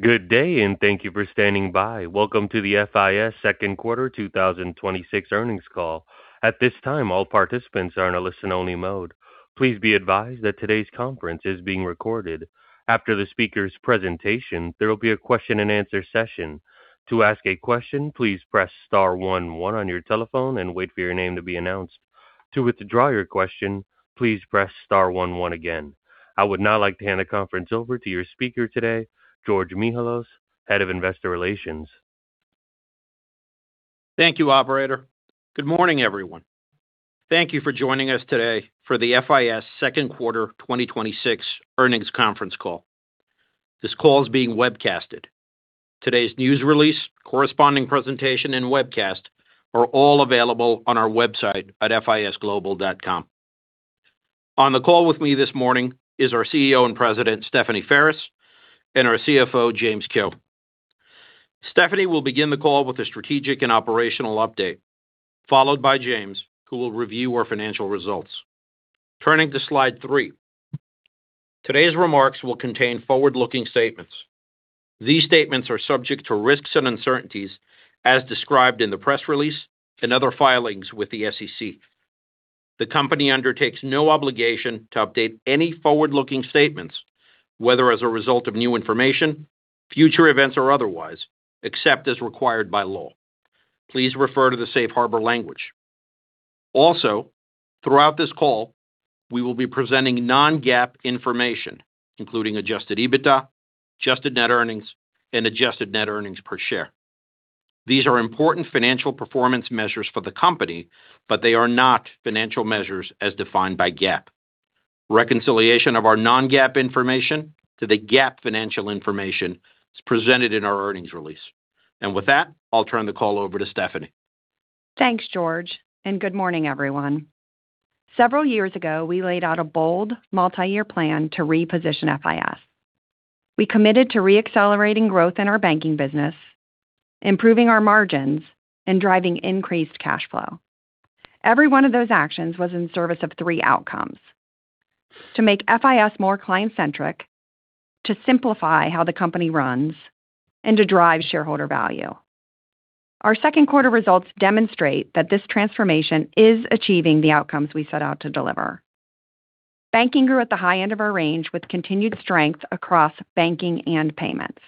Good day. Thank you for standing by. Welcome to the FIS second quarter 2026 earnings call. At this time, all participants are in a listen-only mode. Please be advised that today's conference is being recorded. After the speakers' presentation, there will be a question-and-answer session. To ask a question, please press star one one on your telephone and wait for your name to be announced. To withdraw your question, please press star one one again. I would now like to hand the conference over to your speaker today, George Mihalos, Head of Investor Relations. Thank you, operator. Good morning, everyone. Thank you for joining us today for the FIS second quarter 2026 earnings conference call. This call is being webcasted. Today's news release, corresponding presentation, and webcast are all available on our website at fisglobal.com. On the call with me this morning is our CEO and President, Stephanie Ferris, and our CFO, James Kehoe. Stephanie will begin the call with a strategic and operational update, followed by James, who will review our financial results. Turning to slide three. Today's remarks will contain forward-looking statements. These statements are subject to risks and uncertainties as described in the press release and other filings with the SEC. The company undertakes no obligation to update any forward-looking statements, whether as a result of new information, future events, or otherwise, except as required by law. Please refer to the safe harbor language. Throughout this call, we will be presenting non-GAAP information, including adjusted EBITDA, adjusted net earnings, and adjusted net earnings per share. These are important financial performance measures for the company, but they are not financial measures as defined by GAAP. Reconciliation of our non-GAAP information to the GAAP financial information is presented in our earnings release. With that, I'll turn the call over to Stephanie. Thanks, George. Good morning, everyone. Several years ago, we laid out a bold multi-year plan to reposition FIS. We committed to re-accelerating growth in our banking business, improving our margins, and driving increased cash flow. Every one of those actions was in service of three outcomes: to make FIS more client-centric, to simplify how the company runs, and to drive shareholder value. Our second quarter results demonstrate that this transformation is achieving the outcomes we set out to deliver. banking grew at the high end of our range with continued strength across banking and payments.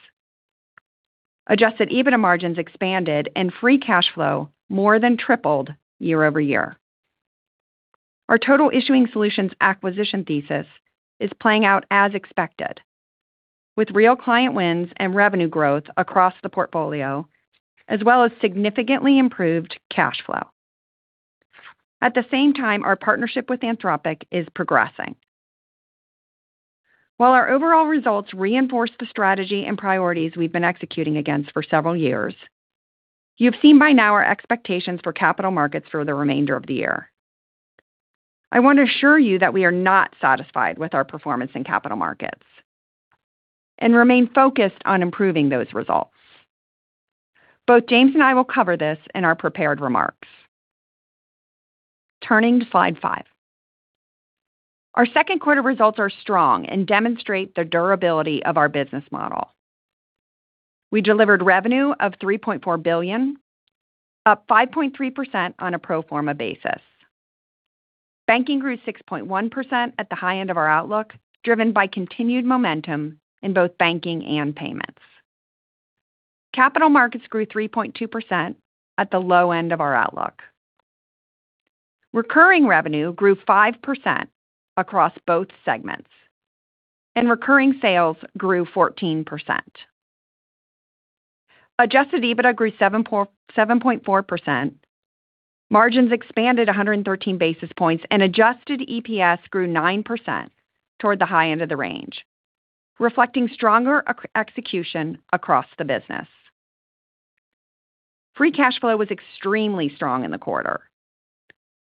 Adjusted EBITDA margins expanded and free cash flow more than tripled year-over-year. Our Total Issuing Solutions acquisition TSYS is playing out as expected, with real client wins and revenue growth across the portfolio, as well as significantly improved cash flow. At the same time, our partnership with Anthropic is progressing. While our overall results reinforce the strategy and priorities we've been executing against for several years, you've seen by now our expectations for Capital Markets for the remainder of the year. I want to assure you that we are not satisfied with our performance in Capital Markets and remain focused on improving those results. Both James and I will cover this in our prepared remarks. Turning to slide five. Our second quarter results are strong and demonstrate the durability of our business model. We delivered revenue of $3.4 billion, up 5.3% on a pro forma basis. Banking grew 6.1% at the high end of our outlook, driven by continued momentum in both banking and payments. Capital Markets grew 3.2% at the low end of our outlook. Recurring revenue grew 5% across both segments, and recurring sales grew 14%. Adjusted EBITDA grew 7.4%, margins expanded 113 basis points, and adjusted EPS grew 9% toward the high end of the range, reflecting stronger execution across the business. Free cash flow was extremely strong in the quarter,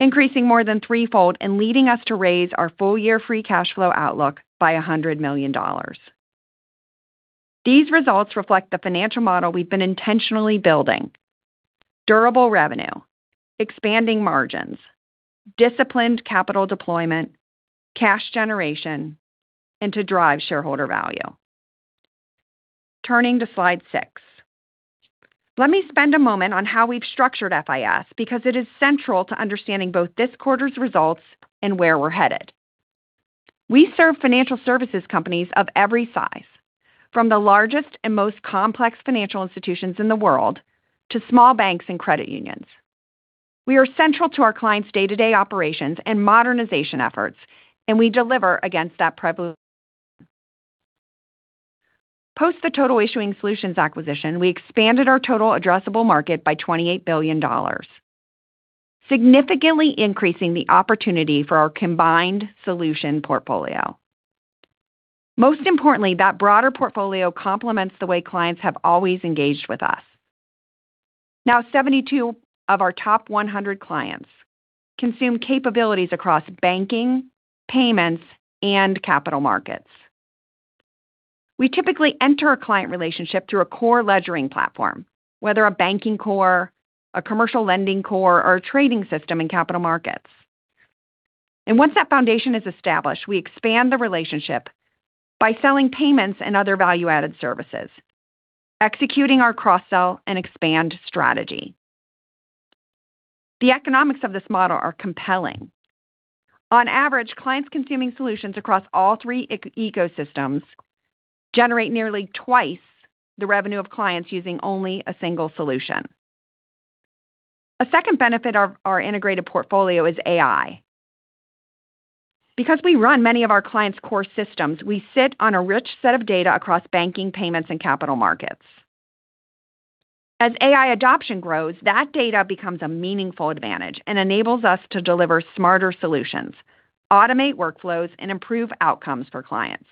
increasing more than threefold and leading us to raise our full-year free cash flow outlook by $100 million. These results reflect the financial model we've been intentionally building. Durable revenue, expanding margins, disciplined capital deployment, cash generation, and to drive shareholder value. Turning to slide six. Let me spend a moment on how we've structured FIS because it is central to understanding both this quarter's results and where we're headed. We serve financial services companies of every size, from the largest and most complex financial institutions in the world to small banks and credit unions. We are central to our clients' day-to-day operations and modernization efforts, and we deliver against that privilege. Post the Total Issuing Solutions acquisition, we expanded our total addressable market by $28 billion, significantly increasing the opportunity for our combined solution portfolio. Most importantly, that broader portfolio complements the way clients have always engaged with us. Now, 72 of our top 100 clients consume capabilities across banking, payments, and Capital Markets. We typically enter a client relationship through a core ledgering platform, whether a banking core, a commercial lending core, or a trading system in Capital Markets. Once that foundation is established, we expand the relationship by selling payments and other value-added services, executing our cross-sell and expand strategy. The economics of this model are compelling. On average, clients consuming solutions across all three ecosystems generate nearly twice the revenue of clients using only a single solution. A second benefit of our integrated portfolio is AI. Because we run many of our clients' core systems, we sit on a rich set of data across banking, payments, and Capital Markets. As AI adoption grows, that data becomes a meaningful advantage and enables us to deliver smarter solutions, automate workflows, and improve outcomes for clients.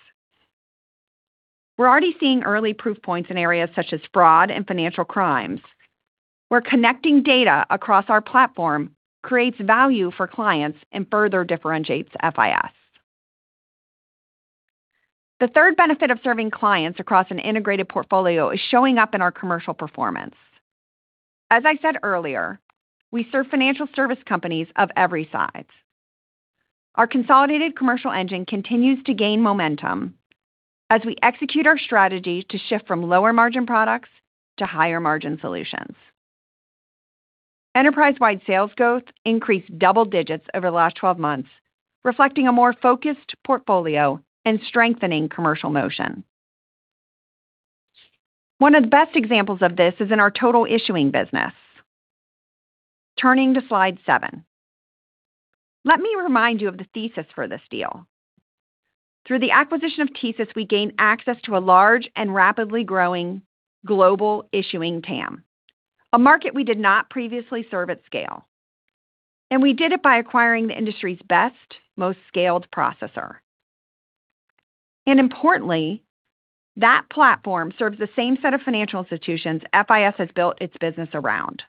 We're already seeing early proof points in areas such as fraud and financial crimes, where connecting data across our platform creates value for clients and further differentiates FIS. The third benefit of serving clients across an integrated portfolio is showing up in our commercial performance. As I said earlier, we serve financial service companies of every size. Our consolidated commercial engine continues to gain momentum as we execute our strategy to shift from lower-margin products to higher-margin solutions. Enterprise-wide sales growth increased double digits over the last 12 months, reflecting a more focused portfolio and strengthening commercial motion. One of the best examples of this is in our Total Issuing business. Turning to slide seven. Let me remind you of the TSYS for this deal. Through the acquisition of TSYS, we gained access to a large and rapidly growing global issuing TAM, a market we did not previously serve at scale, and we did it by acquiring the industry's best, most scaled processor. Importantly, that platform serves the same set of financial institutions FIS has built its business around.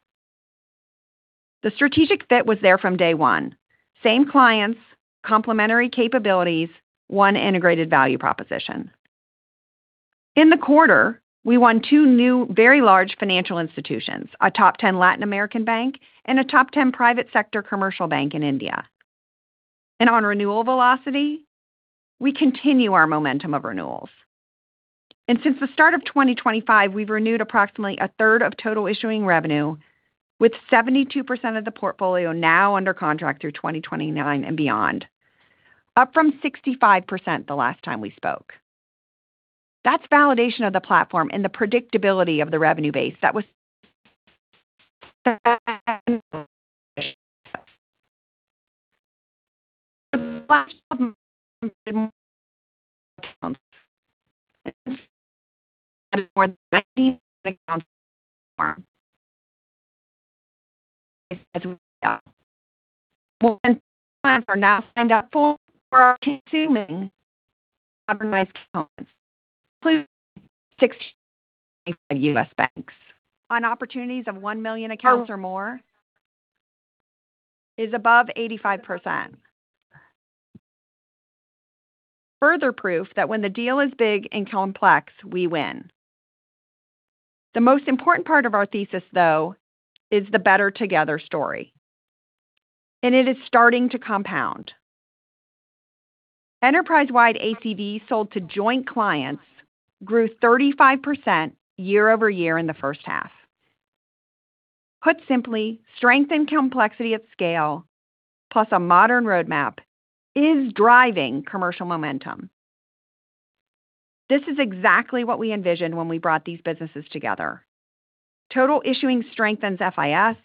The strategic fit was there from day one. Same clients, complementary capabilities, one integrated value proposition. In the quarter, we won two new very large financial institutions, a top 10 Latin American bank and a top 10 private sector commercial bank in India. On renewal velocity, we continue our momentum of renewals. Since the start of 2025, we've renewed approximately a third of Total Issuing revenue, with 72% of the portfolio now under contract through 2029 and beyond, up from 65% the last time we spoke. That's validation of the platform and the predictability of the revenue base. More than 90 accounts are now signed up for our consuming modernized components, including 60 U.S. banks. Opportunities of 1 million accounts or more is above 85%. Further proof that when the deal is big and complex, we win. The most important part of our TSYS, though, is the better together story. It is starting to compound. Enterprise-wide ACV sold to joint clients grew 35% year-over-year in the first half. Put simply, strength and complexity at scale, plus a modern roadmap is driving commercial momentum. This is exactly what we envisioned when we brought these businesses together. Total Issuing strengthens FIS,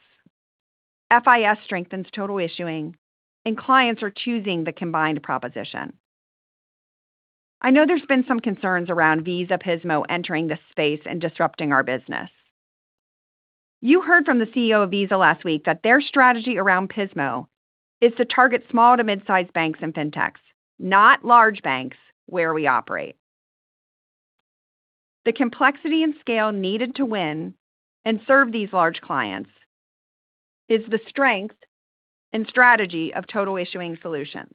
FIS strengthens Total Issuing, and clients are choosing the combined proposition. I know there's been some concerns around Visa Pismo entering this space and disrupting our business. You heard from the CEO of Visa last week that their strategy around Pismo is to target small to mid-size banks and fintechs, not large banks where we operate. The complexity and scale needed to win and serve these large clients is the strength and strategy of Total Issuing Solutions.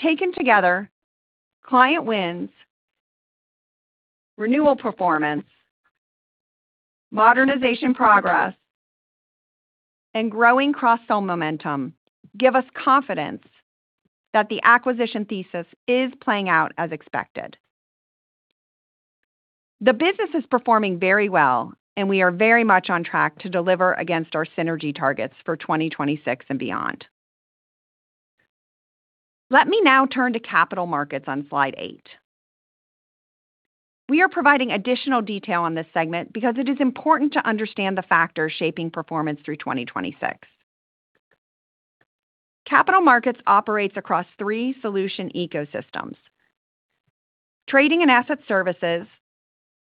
Taken together, client wins, renewal performance, modernization progress, and growing cross-sell momentum give us confidence that the acquisition TSYS is playing out as expected. The business is performing very well, and we are very much on track to deliver against our synergy targets for 2026 and beyond. Let me now turn to Capital Markets on slide eight. We are providing additional detail on this segment because it is important to understand the factors shaping performance through 2026. Capital Markets operates across three solution ecosystems. Trading and asset services,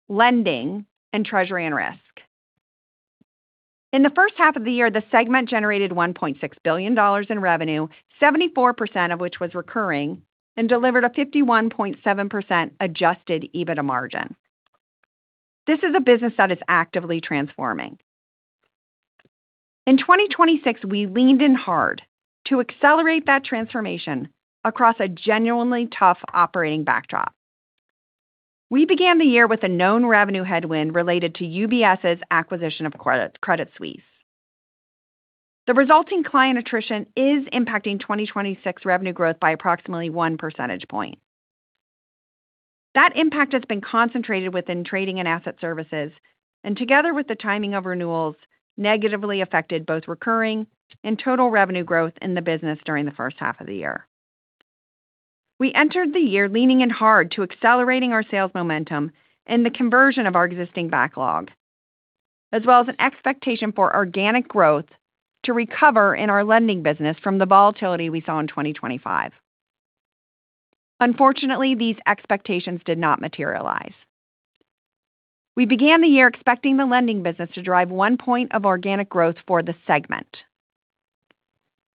lending, and treasury and risk. In the first half of the year, the segment generated $1.6 billion in revenue, 74% of which was recurring, and delivered a 51.7% adjusted EBITDA margin. This is a business that is actively transforming. In 2026, we leaned in hard to accelerate that transformation across a genuinely tough operating backdrop. We began the year with a known revenue headwind related to UBS's acquisition of Credit Suisse. The resulting client attrition is impacting 2026 revenue growth by approximately one percentage point. That impact has been concentrated within trading and asset services, and together with the timing of renewals, negatively affected both recurring and total revenue growth in the business during the first half of the year. We entered the year leaning in hard to accelerating our sales momentum and the conversion of our existing backlog, as well as an expectation for organic growth to recover in our lending business from the volatility we saw in 2025. Unfortunately, these expectations did not materialize. We began the year expecting the lending business to drive one point of organic growth for the segment.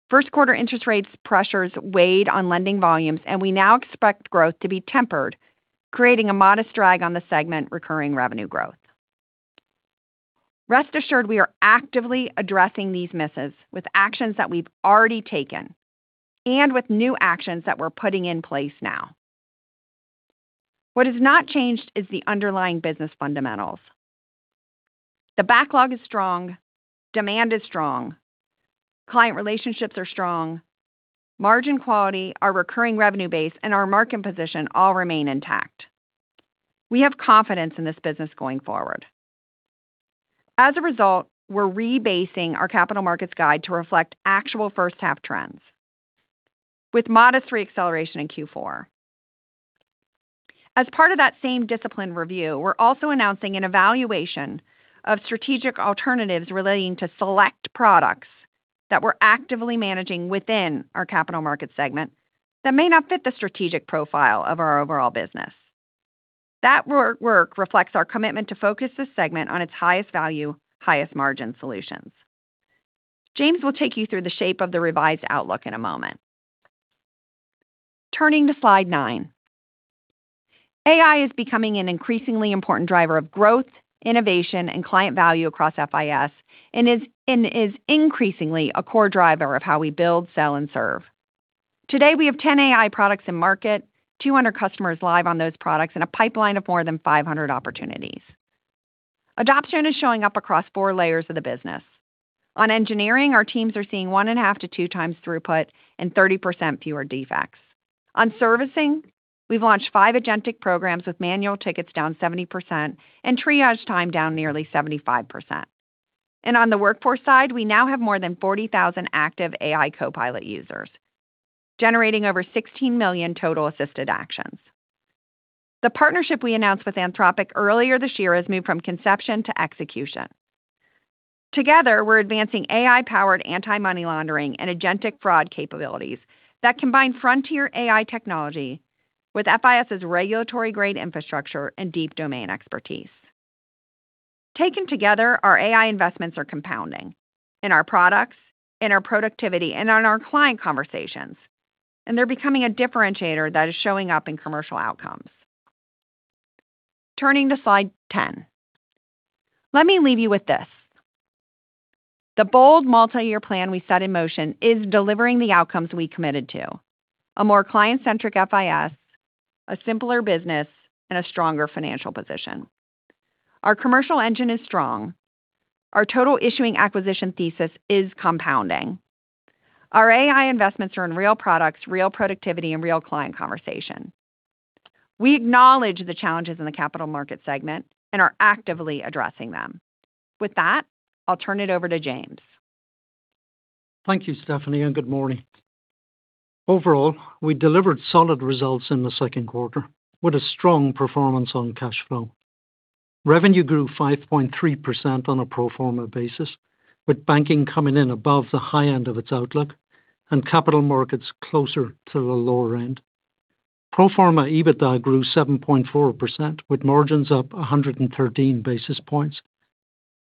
First quarter interest rates pressures weighed on lending volumes, and we now expect growth to be tempered, creating a modest drag on the segment recurring revenue growth. Rest assured, we are actively addressing these misses with actions that we've already taken and with new actions that we're putting in place now. What has not changed is the underlying business fundamentals. The backlog is strong. Demand is strong. Client relationships are strong. Margin quality, our recurring revenue base, and our market position all remain intact. We have confidence in this business going forward. As a result, we're re-basing our Capital Markets guide to reflect actual first half trends with modest re-acceleration in Q4. As part of that same discipline review, we're also announcing an evaluation of strategic alternatives relating to select products that we're actively managing within our Capital Markets segment that may not fit the strategic profile of our overall business. That work reflects our commitment to focus this segment on its highest value, highest margin solutions. James will take you through the shape of the revised outlook in a moment. Turning to slide nine. AI is becoming an increasingly important driver of growth, innovation, and client value across FIS, and is increasingly a core driver of how we build, sell, and serve. Today, we have 10 AI products in market, 200 customers live on those products, and a pipeline of more than 500 opportunities. Adoption is showing up across four layers of the business. On engineering, our teams are seeing 1.5 to two times throughput and 30% fewer defects. On servicing, we've launched five agentic programs with manual tickets down 70% and triage time down nearly 75%. On the workforce side, we now have more than 40,000 active AI copilot users, generating over 16 million total assisted actions. The partnership we announced with Anthropic earlier this year has moved from conception to execution. Together, we're advancing AI-powered anti-money laundering and agentic fraud capabilities that combine frontier AI technology with FIS's regulatory-grade infrastructure and deep domain expertise. Taken together, our AI investments are compounding in our products, in our productivity, and in our client conversations, and they're becoming a differentiator that is showing up in commercial outcomes. Turning to slide 10. Let me leave you with this. The bold multi-year plan we set in motion is delivering the outcomes we committed to. A more client-centric FIS, a simpler business, and a stronger financial position. Our commercial engine is strong. Our total issuing acquisition TSYS is compounding. Our AI investments are in real products, real productivity, and real client conversation. We acknowledge the challenges in the Capital Markets segment and are actively addressing them. With that, I'll turn it over to James. Thank you, Stephanie, and good morning. Overall, we delivered solid results in the second quarter with a strong performance on cash flow. Revenue grew 5.3% on a pro forma basis, with banking coming in above the high end of its outlook and Capital Markets closer to the lower end. Pro forma EBITDA grew 7.4%, with margins up 113 basis points,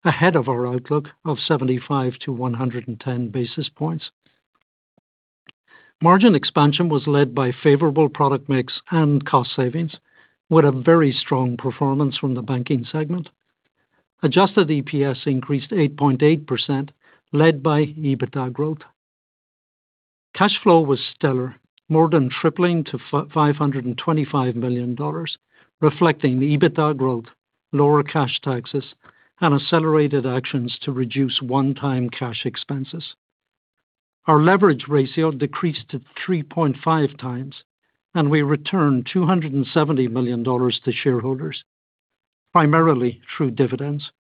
ahead of our outlook of 75-110 basis points. Margin expansion was led by favorable product mix and cost savings with a very strong performance from the banking segment. Adjusted EPS increased 8.8%, led by EBITDA growth. Cash flow was stellar, more than tripling to $525 million, reflecting the EBITDA growth, lower cash taxes, and accelerated actions to reduce one-time cash expenses. Our leverage ratio decreased to 3.5x, and we returned $270 million to shareholders, primarily through dividends.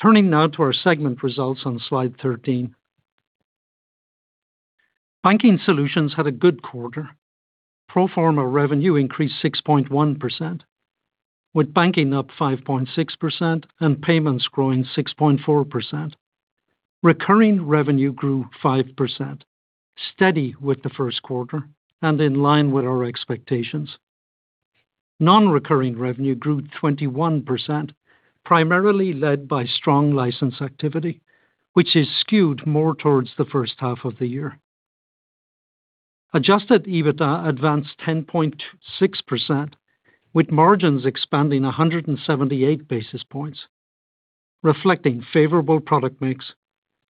Turning now to our segment results on slide 13. Banking Solutions had a good quarter. Pro forma revenue increased 6.1%, with banking up 5.6% and payments growing 6.4%. Recurring revenue grew 5%, steady with the first quarter and in line with our expectations. Non-recurring revenue grew 21%, primarily led by strong license activity, which is skewed more towards the first half of the year. Adjusted EBITDA advanced 10.6%, with margins expanding 178 basis points. Reflecting favorable product mix,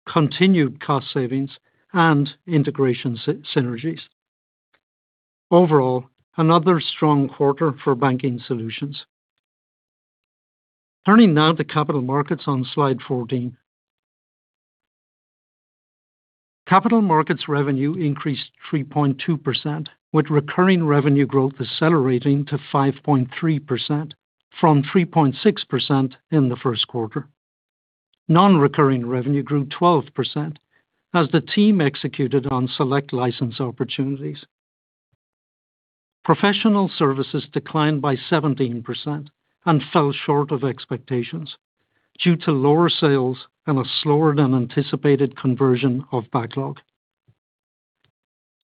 continued cost savings, and integration synergies. Overall, another strong quarter for Banking Solutions. Turning now to Capital Markets on slide 14. Capital Markets revenue increased 3.2%, with recurring revenue growth decelerating to 5.3% from 3.6% in the first quarter. Non-recurring revenue grew 12% as the team executed on select license opportunities. Professional services declined by 17% and fell short of expectations due to lower sales and a slower-than-anticipated conversion of backlog.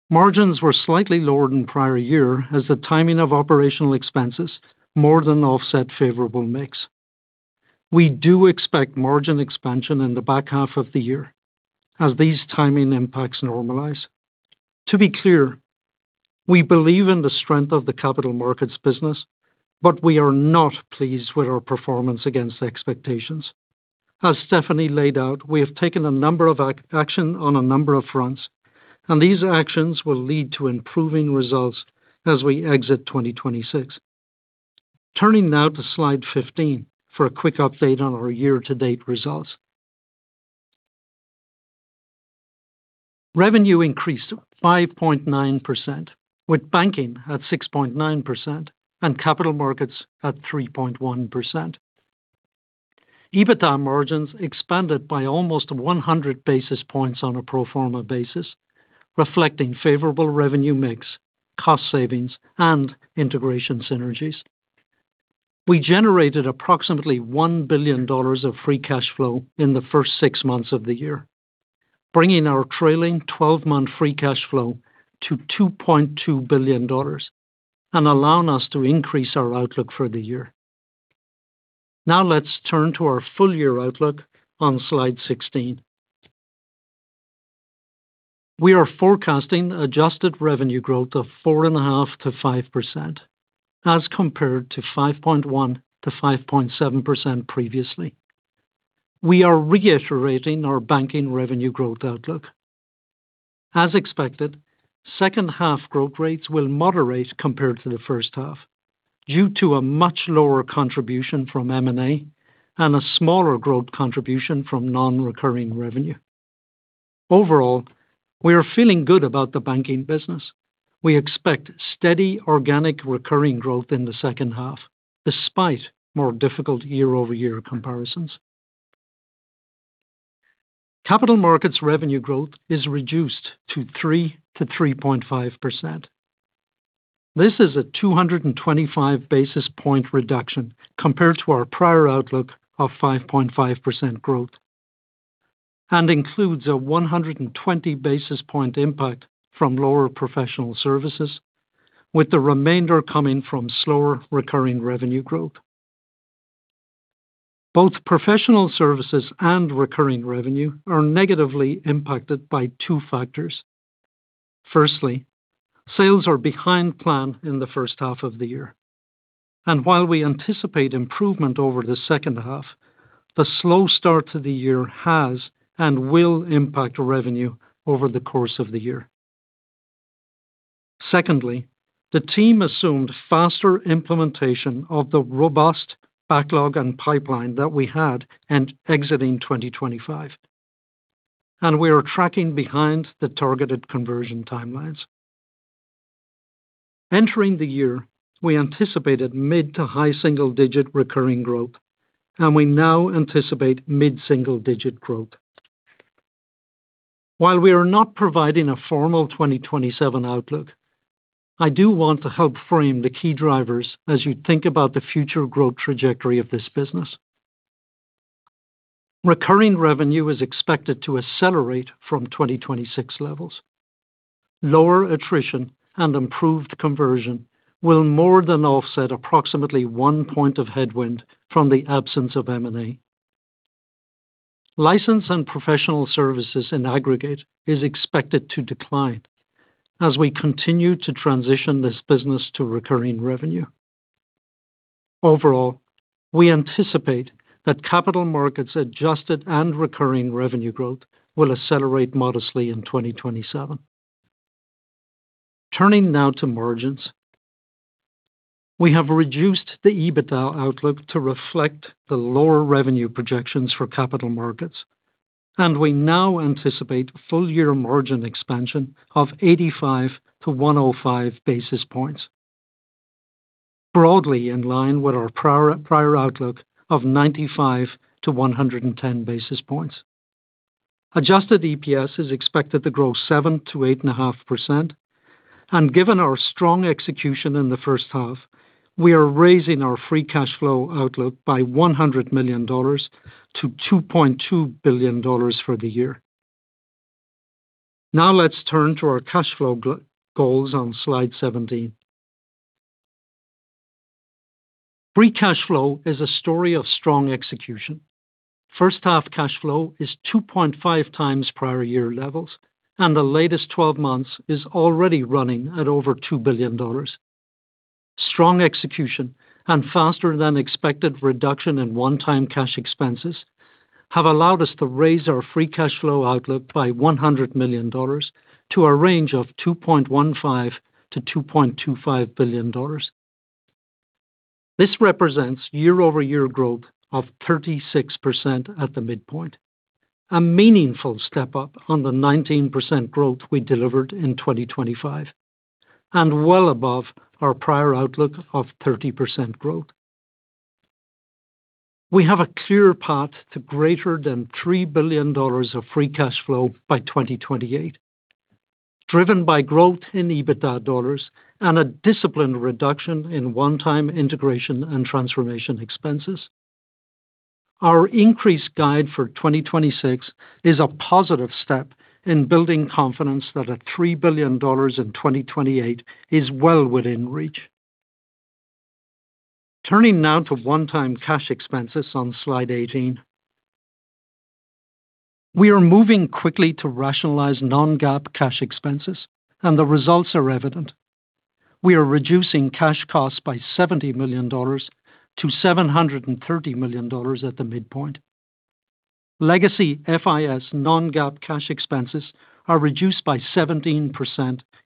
Margins were slightly lower than prior year as the timing of operational expenses more than offset favorable mix. We do expect margin expansion in the back half of the year as these timing impacts normalize. To be clear, we believe in the strength of the Capital Markets business, but we are not pleased with our performance against expectations. As Stephanie laid out, we have taken action on a number of fronts, and these actions will lead to improving results as we exit 2026. Turning now to slide 15 for a quick update on our year-to-date results. Revenue increased 5.9%, with banking at 6.9% and Capital Markets at 3.1%. EBITDA margins expanded by almost 100 basis points on a pro forma basis, reflecting favorable revenue mix, cost savings, and integration synergies. We generated approximately $1 billion of free cash flow in the first six months of the year, bringing our trailing 12-month free cash flow to $2.2 billion and allowing us to increase our outlook for the year. Let's turn to our full-year outlook on slide 16. We are forecasting adjusted revenue growth of 4.5%-5%, as compared to 5.1%-5.7% previously. We are reiterating our banking revenue growth outlook. As expected, second half growth rates will moderate compared to the first half due to a much lower contribution from M&A and a smaller growth contribution from non-recurring revenue. Overall, we are feeling good about the banking business. We expect steady organic recurring growth in the second half, despite more difficult year-over-year comparisons. Capital Markets revenue growth is reduced to 3%-3.5%. This is a 225 basis point reduction compared to our prior outlook of 5.5% growth and includes a 120 basis point impact from lower professional services, with the remainder coming from slower recurring revenue growth. Both professional services and recurring revenue are negatively impacted by two factors. Firstly, sales are behind plan in the first half of the year. While we anticipate improvement over the second half, the slow start to the year has and will impact revenue over the course of the year. Secondly, the team assumed faster implementation of the robust backlog and pipeline that we had in exiting 2025. We are tracking behind the targeted conversion timelines. Entering the year, we anticipated mid- to high single-digit recurring growth, and we now anticipate mid-single-digit growth. While we are not providing a formal 2027 outlook, I do want to help frame the key drivers as you think about the future growth trajectory of this business. Recurring revenue is expected to accelerate from 2026 levels. Lower attrition and improved conversion will more than offset approximately 1 point of headwind from the absence of M&A. License and professional services in aggregate is expected to decline as we continue to transition this business to recurring revenue. Overall, we anticipate that Capital Markets adjusted and recurring revenue growth will accelerate modestly in 2027. Turning now to margins. We have reduced the EBITDA outlook to reflect the lower revenue projections for Capital Markets, and we now anticipate full-year margin expansion of 85-105 basis points, broadly in line with our prior outlook of 95-110 basis points. Adjusted EPS is expected to grow 7%-8.5%, and given our strong execution in the first half, we are raising our free cash flow outlook by $100 million to $2.2 billion for the year. Now let's turn to our cash flow goals on slide 17. Free cash flow is a story of strong execution. First-half cash flow is 2.5 times prior year levels, and the latest 12 months is already running at over $2 billion. Strong execution and faster than expected reduction in one-time cash expenses have allowed us to raise our free cash flow outlook by $100 million to a range of $2.15 billion-$2.25 billion. This represents year-over-year growth of 36% at the midpoint, a meaningful step up on the 19% growth we delivered in 2025, and well above our prior outlook of 30% growth. We have a clear path to greater than $3 billion of free cash flow by 2028, driven by growth in EBITDA dollars and a disciplined reduction in one-time integration and transformation expenses. Our increased guide for 2026 is a positive step in building confidence that a $3 billion in 2028 is well within reach. Turning now to one-time cash expenses on slide 18. We are moving quickly to rationalize non-GAAP cash expenses, and the results are evident. We are reducing cash costs by $70 million-$730 million at the midpoint. Legacy FIS non-GAAP cash expenses are reduced by 17%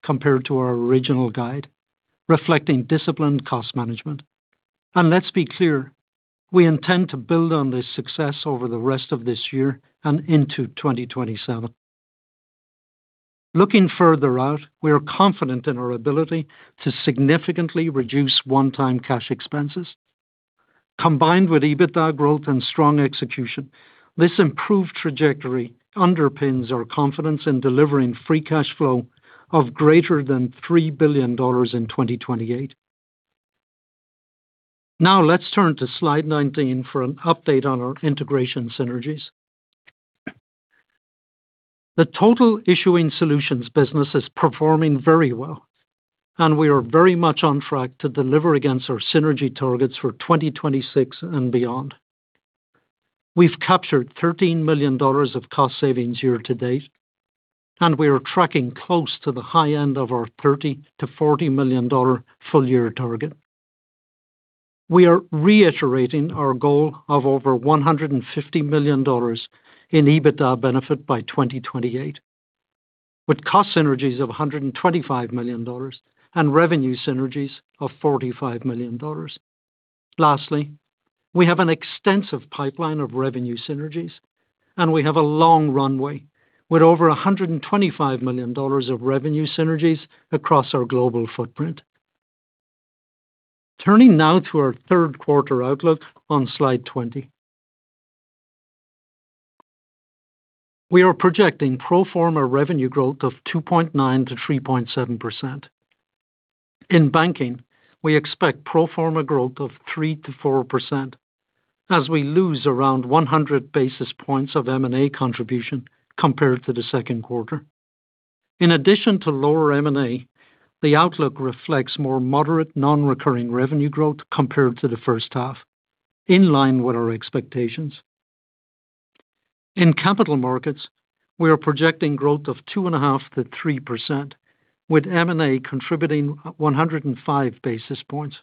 compared to our original guide, reflecting disciplined cost management. Let's be clear, we intend to build on this success over the rest of this year and into 2027. Looking further out, we are confident in our ability to significantly reduce one-time cash expenses. Combined with EBITDA growth and strong execution, this improved trajectory underpins our confidence in delivering free cash flow of greater than $3 billion in 2028. Let's turn to slide 19 for an update on our integration synergies. The Total Issuing Solutions business is performing very well, and we are very much on track to deliver against our synergy targets for 2026 and beyond. We've captured $13 million of cost savings year to date, and we are tracking close to the high end of our $30 million-$40 million full-year target. We are reiterating our goal of over $150 million in EBITDA benefit by 2028, with cost synergies of $125 million and revenue synergies of $45 million. We have an extensive pipeline of revenue synergies, and we have a long runway with over $125 million of revenue synergies across our global footprint. Turning now to our third quarter outlook on slide 20. We are projecting pro forma revenue growth of 2.9%-3.7%. In banking, we expect pro forma growth of 3%-4% as we lose around 100 basis points of M&A contribution compared to the second quarter. In addition to lower M&A, the outlook reflects more moderate non-recurring revenue growth compared to the first half, in line with our expectations. In capital markets, we are projecting growth of 2.5%-3%, with M&A contributing 105 basis points.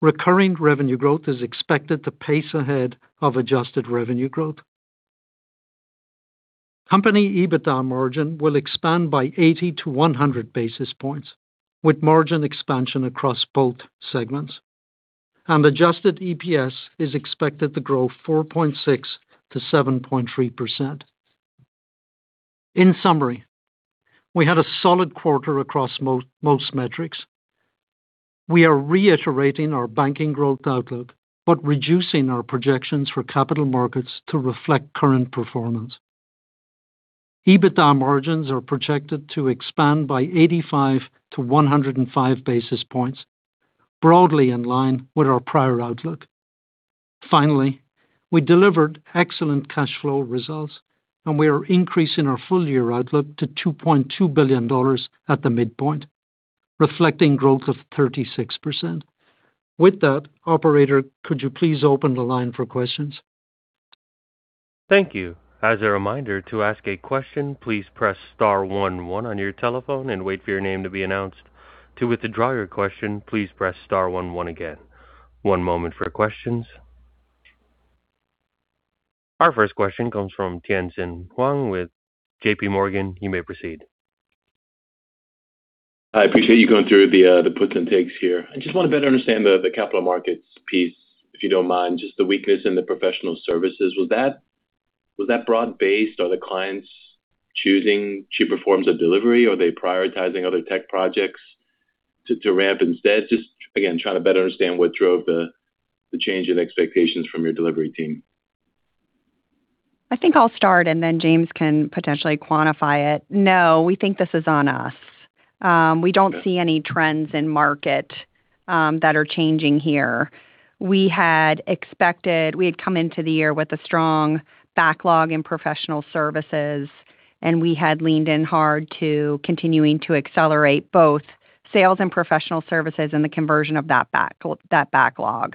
Recurring revenue growth is expected to pace ahead of adjusted revenue growth. Company EBITDA margin will expand by 80-100 basis points with margin expansion across both segments. Adjusted EPS is expected to grow 4.6%-7.3%. In summary, we had a solid quarter across most metrics. We are reiterating our banking growth outlook but reducing our projections for capital markets to reflect current performance. EBITDA margins are projected to expand by 85-105 basis points, broadly in line with our prior outlook. We delivered excellent cash flow results, and we are increasing our full-year outlook to $2.2 billion at the midpoint, reflecting growth of 36%. With that, operator, could you please open the line for questions? Thank you. As a reminder, to ask a question, please press star one one on your telephone and wait for your name to be announced. To withdraw your question, please press star one one again. One moment for questions. Our first question comes from Tien-Tsin Huang with JPMorgan. You may proceed. I appreciate you going through the puts and takes here. I just want to better understand the Capital Markets piece. If you don't mind, just the weakness in the professional services. Was that broad based? Are the clients choosing cheaper forms of delivery? Are they prioritizing other tech projects to ramp instead? Just again, trying to better understand what drove the change in expectations from your delivery team. I think I'll start, and then James can potentially quantify it. No, we think this is on us. We don't see any trends in market that are changing here. We had come into the year with a strong backlog in professional services. We had leaned in hard to continuing to accelerate both sales and professional services and the conversion of that backlog.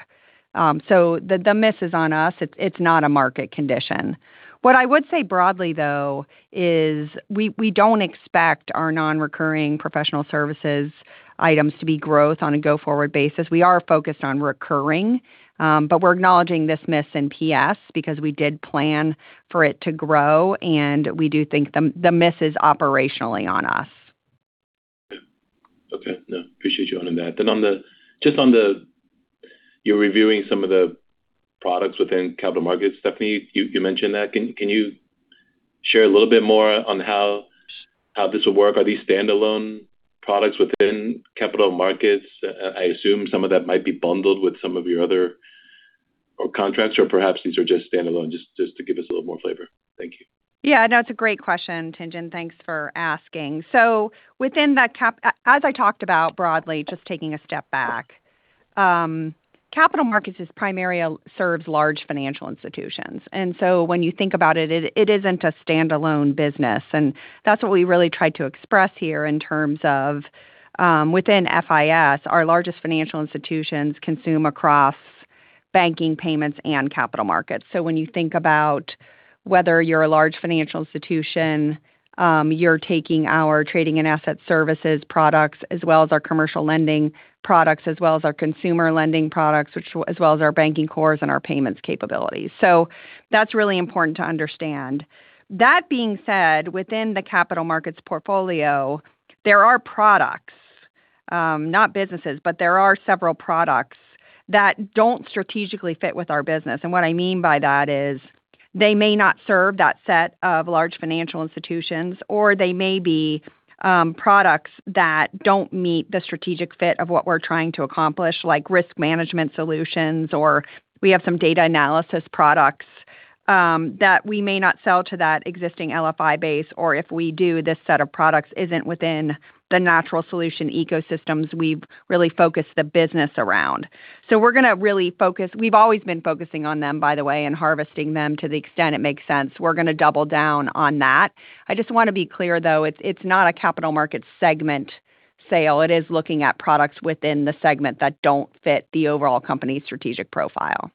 The miss is on us. It's not a market condition. What I would say broadly, though, is we don't expect our non-recurring professional services items to be growth on a go-forward basis. We are focused on recurring. We're acknowledging this miss in PS because we did plan for it to grow, and we do think the miss is operationally on us. Okay. Appreciate you owning that. Just on the products within Capital Markets, Stephanie, you mentioned that. Can you share a little bit more on how this will work? Are these standalone products within Capital Markets? I assume some of that might be bundled with some of your other contracts or perhaps these are just standalone. Just to give us a little more flavor. Thank you. That's a great question, Tien-Tsin. Thanks for asking. Within that, as I talked about broadly, just taking a step back. Capital Markets is primarily serves large financial institutions. When you think about it isn't a standalone business. That's what we really tried to express here in terms of within FIS, our largest financial institutions consume across banking, payments and Capital Markets. When you think about whether you're a large financial institution, you're taking our trading and asset services products as well as our commercial lending products, as well as our consumer lending products, as well as our banking cores and our payments capabilities. That's really important to understand. That being said, within the Capital Markets portfolio, there are products, not businesses, but there are several products that don't strategically fit with our business. What I mean by that is they may not serve that set of large financial institutions, or they may be products that don't meet the strategic fit of what we're trying to accomplish, like risk management solutions, or we have some data analysis products that we may not sell to that existing LFI base. If we do, this set of products isn't within the natural solution ecosystems we've really focused the business around. We've always been focusing on them, by the way, and harvesting them to the extent it makes sense. We're going to double down on that. I just want to be clear, though, it's not a Capital Markets segment sale. It is looking at products within the segment that don't fit the overall company's strategic profile.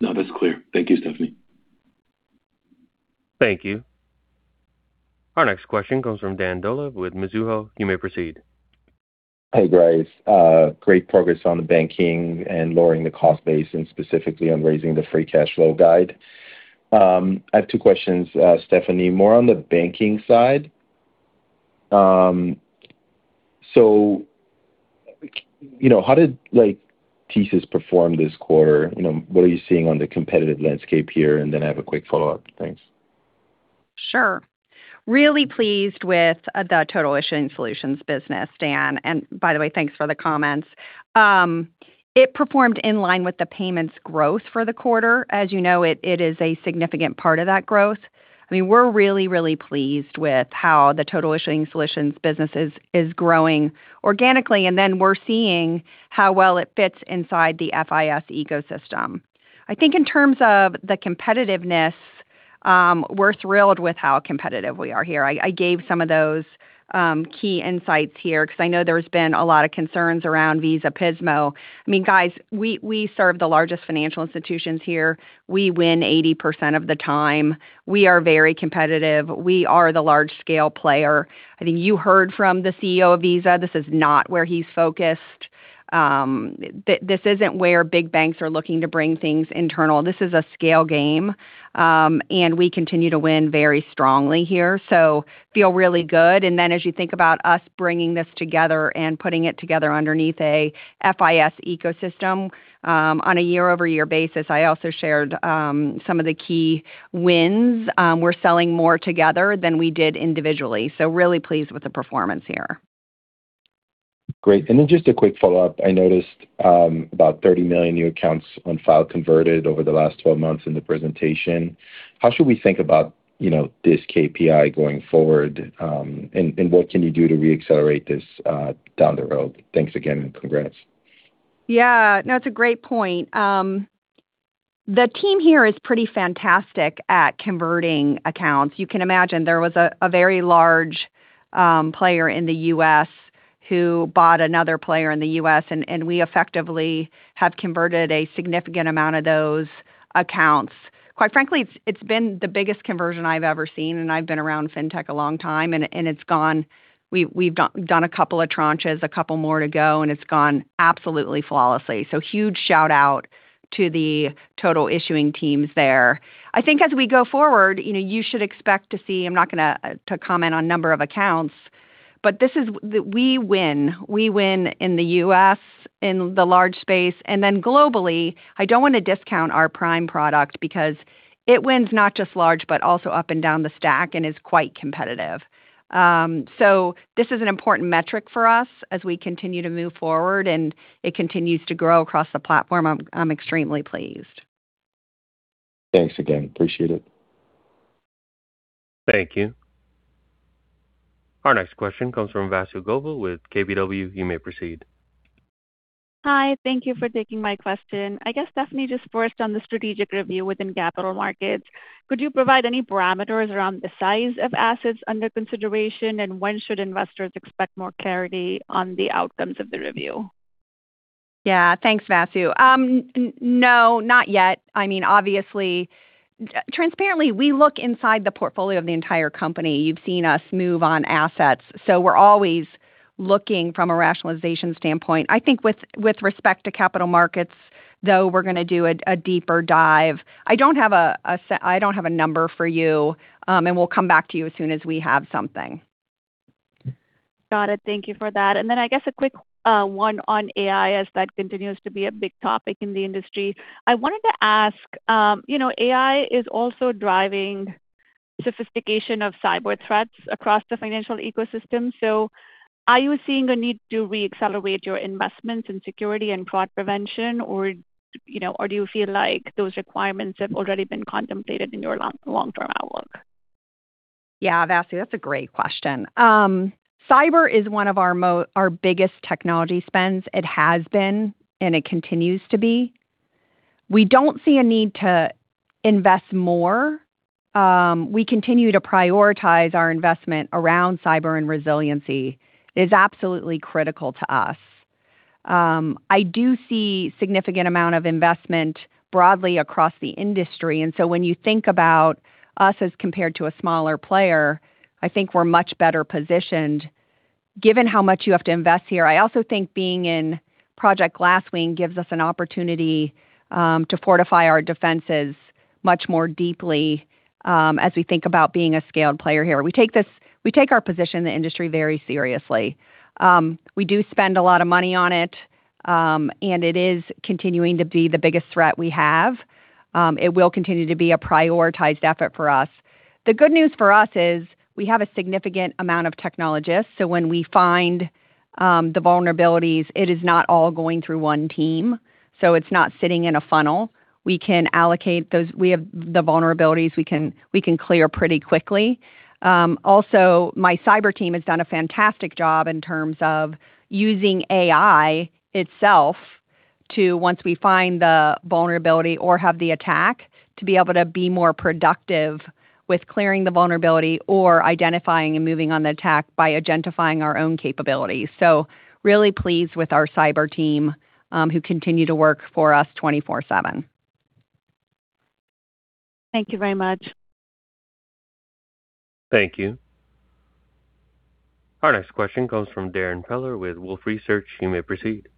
No, that's clear. Thank you, Stephanie. Thank you. Our next question comes from Dan Dolev with Mizuho. You may proceed. Hey, guys. Great progress on the banking and lowering the cost base and specifically on raising the free cash flow guide. I have two questions, Stephanie. More on the banking side. How did TSYS perform this quarter? What are you seeing on the competitive landscape here? Then I have a quick follow-up. Thanks. Sure. Really pleased with the Total Issuing Solutions business, Dan Dolev. By the way, thanks for the comments. It performed in line with the payments growth for the quarter. As you know, it is a significant part of that growth. We're really pleased with how the Total Issuing Solutions business is growing organically. Then we're seeing how well it fits inside the FIS ecosystem. I think in terms of the competitiveness, we're thrilled with how competitive we are here. I gave some of those key insights here because I know there's been a lot of concerns around Visa Pismo. Guys, we serve the largest financial institutions here. We win 80% of the time. We are very competitive. We are the large-scale player. I think you heard from the CEO of Visa. This is not where he's focused. This isn't where big banks are looking to bring things internal. This is a scale game. We continue to win very strongly here. Feel really good. As you think about us bringing this together and putting it together underneath a FIS ecosystem on a year-over-year basis, I also shared some of the key wins. We're selling more together than we did individually. Really pleased with the performance here. Great. Just a quick follow-up. I noticed about 30 million new accounts on file converted over the last 12 months in the presentation. How should we think about this KPI going forward? What can you do to re-accelerate this down the road? Thanks again, congrats. Yeah. No, it's a great point. The team here is pretty fantastic at converting accounts. You can imagine there was a very large player in the U.S. who bought another player in the U.S., we effectively have converted a significant amount of those accounts. Quite frankly, it's been the biggest conversion I've ever seen, and I've been around fintech a long time, it's gone absolutely flawlessly. Huge shout-out to the Total Issuing teams there. I think as we go forward, you should expect to see, I'm not going to comment on number of accounts, but we win. We win in the U.S., in the large space. Globally, I don't want to discount our PRIME product because it wins not just large, but also up and down the stack and is quite competitive. This is an important metric for us as we continue to move forward and it continues to grow across the platform. I'm extremely pleased. Thanks again. Appreciate it. Thank you. Our next question comes from Vasu Govil with KBW. You may proceed. Hi. Thank you for taking my question. I guess, Stephanie, just first on the strategic review within Capital Markets, could you provide any parameters around the size of assets under consideration, and when should investors expect more clarity on the outcomes of the review? Thanks, Vasu. No, not yet. Obviously, transparently, we look inside the portfolio of the entire company. You've seen us move on assets. We're always looking from a rationalization standpoint. I think with respect to Capital Markets, though, we're going to do a deeper dive. I don't have a number for you. We'll come back to you as soon as we have something. Got it. Thank you for that. Then, I guess a quick one on AI, as that continues to be a big topic in the industry. I wanted to ask, AI is also driving sophistication of cyber threats across the financial ecosystem. Are you seeing a need to reaccelerate your investments in security and fraud prevention? Do you feel like those requirements have already been contemplated in your long-term outlook? Vasu, that's a great question. Cyber is one of our biggest technology spends. It has been. It continues to be. We don't see a need to invest more. We continue to prioritize our investment around cyber and resiliency. It is absolutely critical to us. I do see significant amount of investment broadly across the industry. When you think about us as compared to a smaller player, I think we're much better positioned given how much you have to invest here. I also think being in Project Glasswing gives us an opportunity to fortify our defenses much more deeply as we think about being a scaled player here. We take our position in the industry very seriously. We do spend a lot of money on it. It is continuing to be the biggest threat we have. It will continue to be a prioritized effort for us. The good news for us is we have a significant amount of technologists. When we find the vulnerabilities, it is not all going through one team. It's not sitting in a funnel. We have the vulnerabilities we can clear pretty quickly. My cyber team has done a fantastic job in terms of using AI itself to, once we find the vulnerability or have the attack, to be able to be more productive with clearing the vulnerability or identifying and moving on the attack by agentifying our own capabilities. Really pleased with our cyber team who continue to work for us 24/7. Thank you very much. Thank you. Our next question comes from Darrin Peller with Wolfe Research. You may proceed.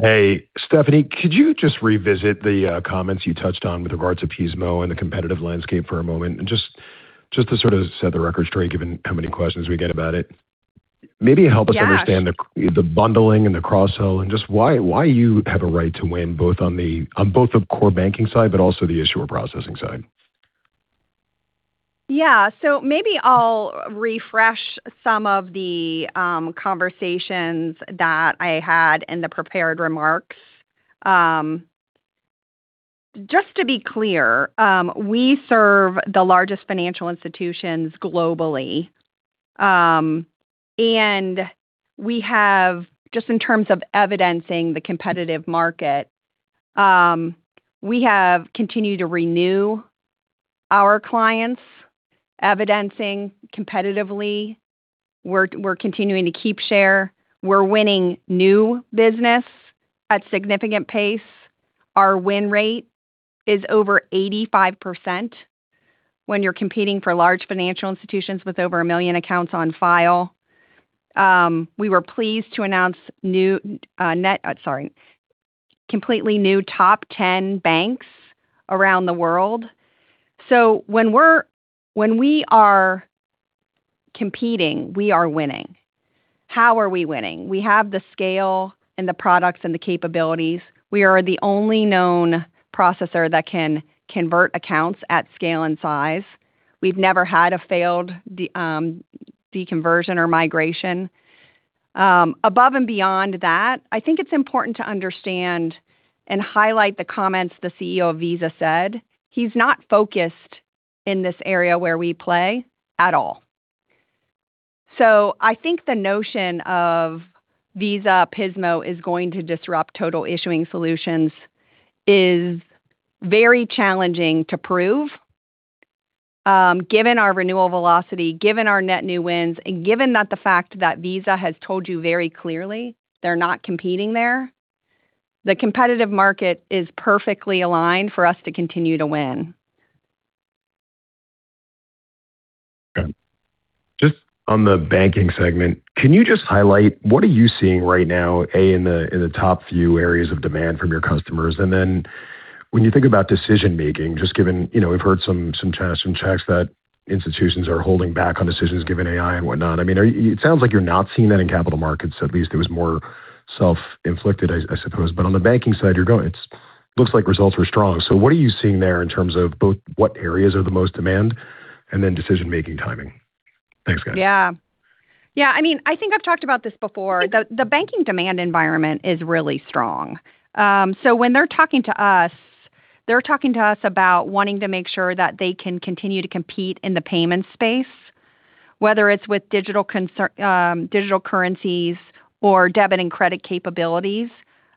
Hey, Stephanie. Could you just revisit the comments you touched on with regards to Pismo and the competitive landscape for a moment? Just to sort of set the record straight, given how many questions we get about it. Yes. Maybe help us understand the bundling and the cross-sell and just why you have a right to win both on the core banking side, but also the issuer processing side. Maybe I'll refresh some of the conversations that I had in the prepared remarks. Just to be clear, we serve the largest financial institutions globally. We have, just in terms of evidencing the competitive market, we have continued to renew our clients, evidencing competitively. We're continuing to keep share. We're winning new business at significant pace. Our win rate is over 85% when you're competing for large financial institutions with over 1 million accounts on file. We were pleased to announce completely new top 10 banks around the world. When we are competing, we are winning. How are we winning? We have the scale and the products and the capabilities. We are the only known processor that can convert accounts at scale and size. We've never had a failed deconversion or migration. Above and beyond that, I think it's important to understand and highlight the comments the CEO of Visa said. He's not focused in this area where we play at all. I think the notion of Visa Pismo is going to disrupt Total Issuing Solutions is very challenging to prove. Given our renewal velocity, given our net new wins, and given that the fact that Visa has told you very clearly they're not competing there, the competitive market is perfectly aligned for us to continue to win. Just on the banking segment, can you just highlight what are you seeing right now in the top few areas of demand from your customers? When you think about decision-making, just given we've heard some chats that institutions are holding back on decisions given AI and whatnot. It sounds like you're not seeing that in Capital Markets. At least it was more self-inflicted, I suppose. On the banking side, it looks like results were strong. What are you seeing there in terms of both what areas are the most demand and then decision-making timing? Thanks, guys. I think I've talked about this before. The banking demand environment is really strong. When they're talking to us, they're talking to us about wanting to make sure that they can continue to compete in the payment space, whether it's with digital currencies or debit and credit capabilities,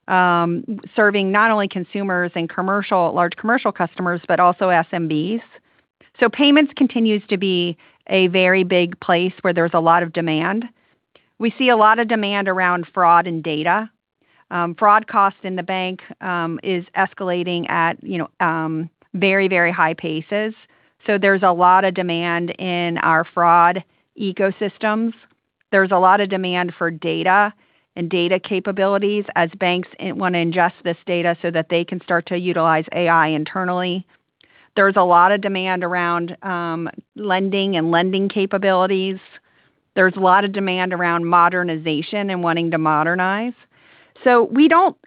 serving not only consumers and large commercial customers, but also SMBs. Payments continues to be a very big place where there's a lot of demand. We see a lot of demand around fraud and data. Fraud cost in the bank is escalating at very high paces. There's a lot of demand in our fraud ecosystems. There's a lot of demand for data and data capabilities as banks want to ingest this data so that they can start to utilize AI internally. There's a lot of demand around lending and lending capabilities. There's a lot of demand around modernization and wanting to modernize. We don't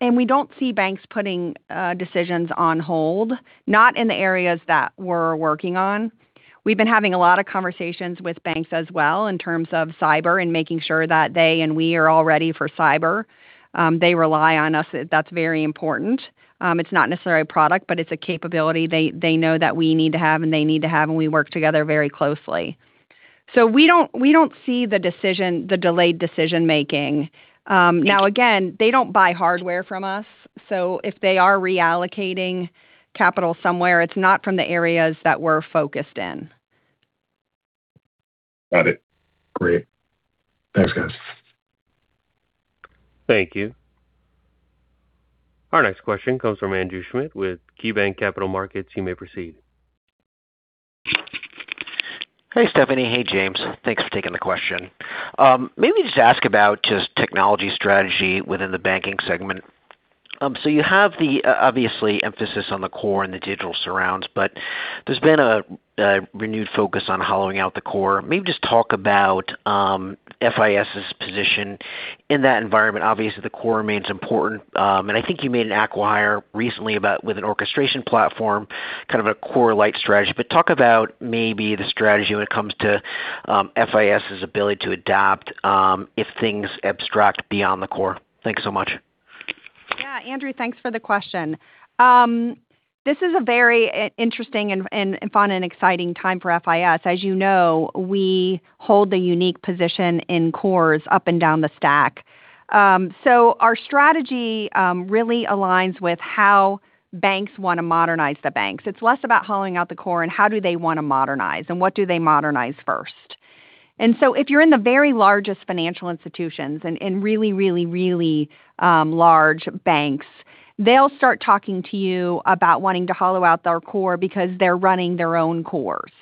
see banks putting decisions on hold, not in the areas that we're working on. We've been having a lot of conversations with banks as well in terms of cyber and making sure that they and we are all ready for cyber. They rely on us. That's very important. It's not necessarily a product, but it's a capability they know that we need to have, and they need to have, and we work together very closely. We don't see the delayed decision-making. Now again, they don't buy hardware from us, so if they are reallocating capital somewhere, it's not from the areas that we're focused in. Got it. Great. Thanks, guys. Thank you. Our next question comes from Andrew Schmidt with KeyBanc Capital Markets. You may proceed. Hey, Stephanie. Hey, James. Thanks for taking the question. Maybe just ask about just technology strategy within the banking segment. You have the obviously emphasis on the core and the digital surrounds, but there's been a renewed focus on hollowing out the core. Maybe just talk about FIS's position in that environment. Obviously, the core remains important. I think you made an acquire recently with an orchestration platform, kind of a core light strategy. Talk about maybe the strategy when it comes to FIS's ability to adapt if things abstract beyond the core. Thanks so much. Yeah, Andrew, thanks for the question. This is a very interesting and fun and exciting time for FIS. As you know, we hold a unique position in cores up and down the stack. Our strategy really aligns with how banks want to modernize the banks. It's less about hollowing out the core and how do they want to modernize and what do they modernize first. If you're in the very largest financial institutions and really large banks, they'll start talking to you about wanting to hollow out their core because they're running their own cores.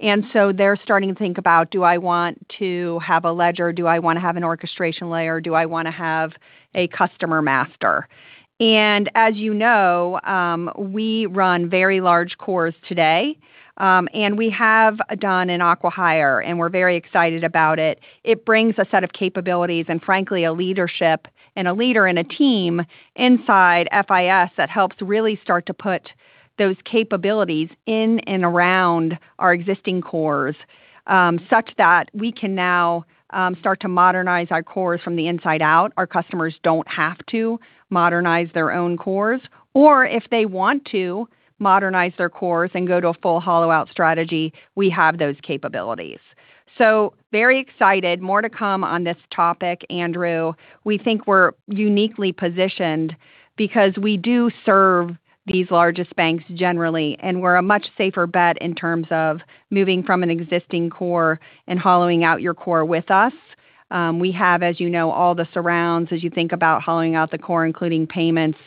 They're starting to think about, do I want to have a ledger? Do I want to have an orchestration layer? Do I want to have a customer master? As you know, we run very large cores today. We have done an acquihire, and we're very excited about it. It brings a set of capabilities, and frankly, a leadership and a leader and a team inside FIS that helps really start to put those capabilities in and around our existing cores, such that we can now start to modernize our cores from the inside out. Our customers don't have to modernize their own cores. If they want to modernize their cores and go to a full hollow out strategy, we have those capabilities. Very excited. More to come on this topic, Andrew. We think we're uniquely positioned because we do serve these largest banks generally, and we're a much safer bet in terms of moving from an existing core and hollowing out your core with us. We have, as you know, all the surrounds as you think about hollowing out the core, including payments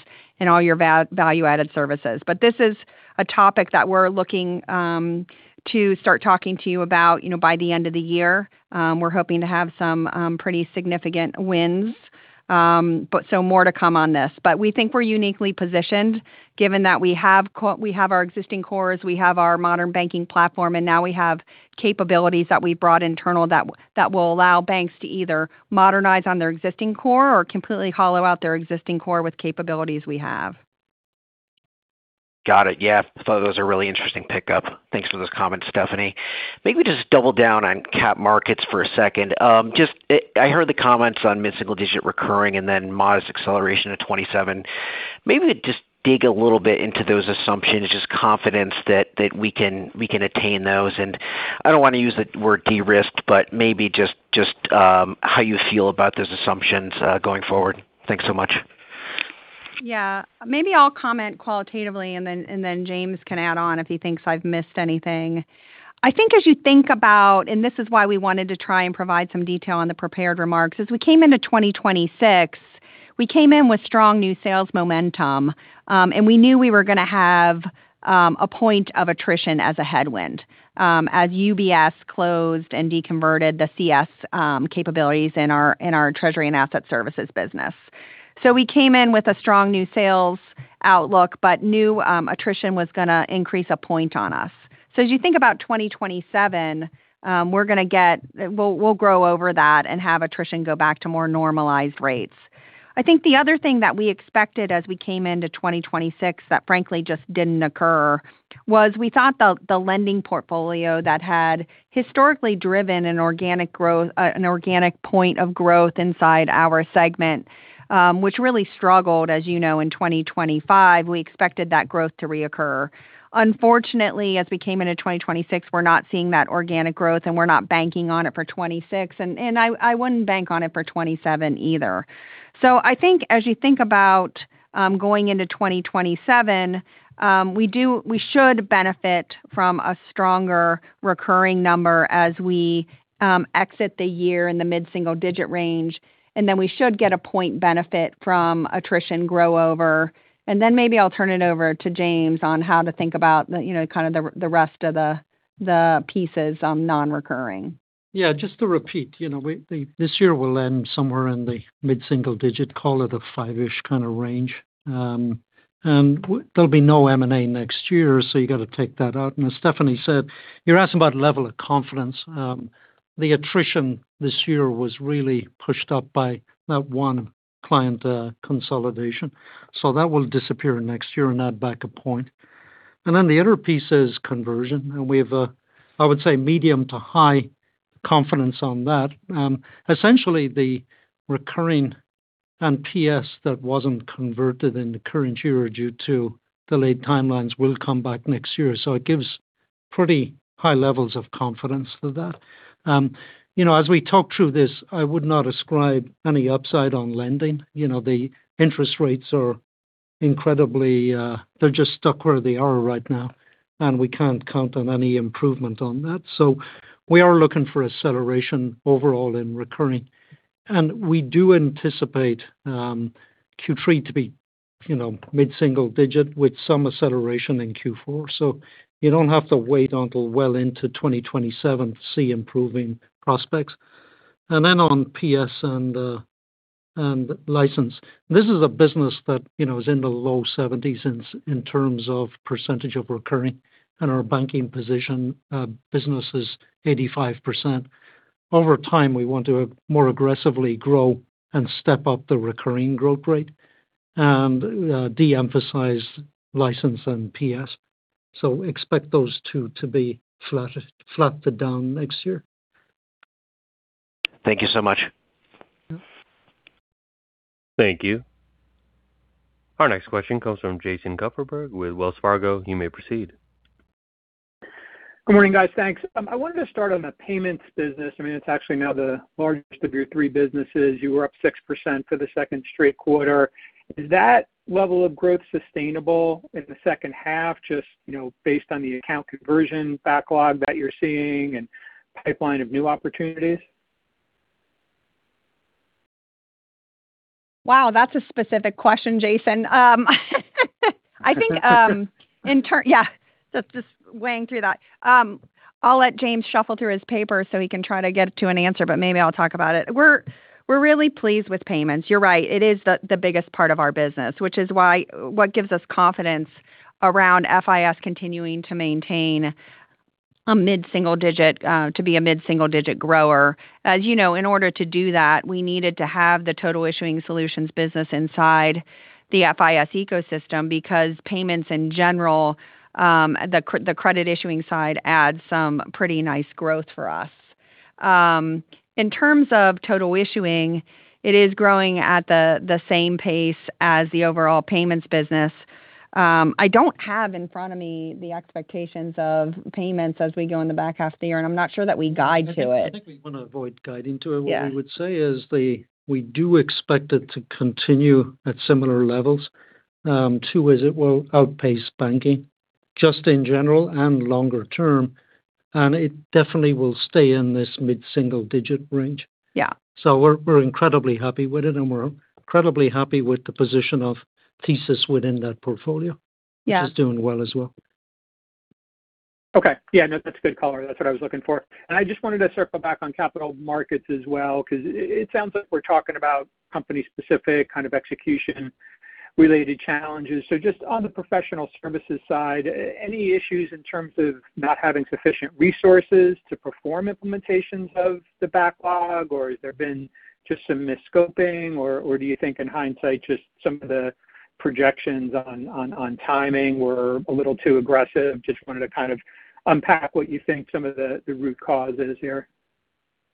and all your value-added services. This is a topic that we're looking to start talking to you about by the end of the year. We're hoping to have some pretty significant wins. More to come on this. We think we're uniquely positioned given that we have our existing cores, we have our modern banking platform, and now we have capabilities that we've brought internal that will allow banks to either modernize on their existing core or completely hollow out their existing core with capabilities we have. Got it. Yeah. I thought that was a really interesting pickup. Thanks for those comments, Stephanie. Maybe just double down on Capital Markets for a second. I heard the comments on mid-single digit recurring and then modest acceleration to 2027. Maybe just dig a little bit into those assumptions, just confidence that we can attain those. I don't want to use the word de-risked, but maybe just how you feel about those assumptions going forward. Thanks so much. Maybe I'll comment qualitatively, and then James can add on if he thinks I've missed anything. I think as you think about, and this is why we wanted to try and provide some detail on the prepared remarks, as we came into 2026, we came in with strong new sales momentum. We knew we were going to have a point of attrition as a headwind as UBS closed and deconverted the CS capabilities in our treasury and asset services business. We came in with a strong new sales outlook, but knew attrition was going to increase a point on us. As you think about 2027, we'll grow over that and have attrition go back to more normalized rates. I think the other thing that we expected as we came into 2026 that frankly just didn't occur, was we thought the lending portfolio that had historically driven an organic point of growth inside our segment, which really struggled as you know in 2025, we expected that growth to reoccur. Unfortunately, as we came into 2026, we're not seeing that organic growth and we're not banking on it for 2026, and I wouldn't bank on it for 2027 either. I think as you think about going into 2027, we should benefit from a stronger recurring number as we exit the year in the mid-single digit range, and then we should get a point benefit from attrition grow-over. Then maybe I'll turn it over to James on how to think about the rest of the pieces on non-recurring. Just to repeat. This year will end somewhere in the mid-single digit, call it a five-ish kind of range. There'll be no M&A next year, you got to take that out. As Stephanie said, you're asking about level of confidence. The attrition this year was really pushed up by that one client consolidation. That will disappear next year and add back a point. Then the other piece is conversion, and we have a, I would say, medium to high confidence on that. Essentially the recurring and PS that wasn't converted in the current year due to delayed timelines will come back next year. It gives pretty high levels of confidence for that. As we talk through this, I would not ascribe any upside on lending. The interest rates are incredibly, they're just stuck where they are right now, we can't count on any improvement on that. We are looking for acceleration overall in recurring. We do anticipate Q3 to be mid-single digit with some acceleration in Q4. You don't have to wait until well into 2027 to see improving prospects. Then on PS and license. This is a business that is in the low 70s in terms of percentage of recurring, and our banking position business is 85%. Over time, we want to more aggressively grow and step up the recurring growth rate and de-emphasize license and PS. Expect those two to be flattened down next year. Thank you so much. Yeah. Thank you. Our next question comes from Jason Kupferberg with Wells Fargo. You may proceed. Good morning, guys. Thanks. I wanted to start on the payments business. It's actually now the largest of your three businesses. You were up 6% for the second straight quarter. Is that level of growth sustainable in the second half, just based on the account conversion backlog that you're seeing and pipeline of new opportunities? Wow, that's a specific question, Jason. Just weighing through that. I'll let James shuffle through his paper so he can try to get to an answer, but maybe I'll talk about it. We're really pleased with payments. You're right, it is the biggest part of our business, which is what gives us confidence around FIS continuing to maintain to be a mid-single digit grower. As you know, in order to do that, we needed to have the Total Issuing Solutions business inside the FIS ecosystem because payments in general, the credit issuing side adds some pretty nice growth for us. In terms of total issuing, it is growing at the same pace as the overall payments business. I don't have in front of me the expectations of payments as we go in the back half of the year, and I'm not sure that we guide to it. I think we want to avoid guiding to it. Yeah. What we would say is we do expect it to continue at similar levels. Two is it will outpace banking just in general and longer term. It definitely will stay in this mid-single digit range. Yeah. We're incredibly happy with it and we're incredibly happy with the position of TSYS within that portfolio. Yeah. Which is doing well as well. Okay. Yeah, no, that's a good color. That's what I was looking for. I just wanted to circle back on Capital Markets as well, because it sounds like we're talking about company-specific kind of execution-related challenges. Just on the professional services side, any issues in terms of not having sufficient resources to perform implementations of the backlog or has there been just some misscoping or do you think in hindsight just some of the projections on timing were a little too aggressive? Just wanted to kind of unpack what you think some of the root cause is here.